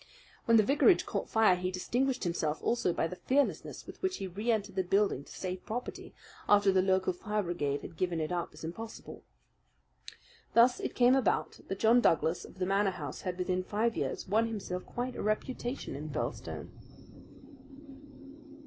When the vicarage caught fire he distinguished himself also by the fearlessness with which he reentered the building to save property, after the local fire brigade had given it up as impossible. Thus it came about that John Douglas of the Manor House had within five years won himself quite a reputation in Birlstone.